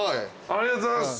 ありがとうございます。